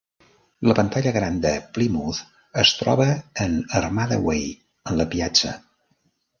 La Pantalla Gran de Plymouth es troba en Armada Way, en la Piazza.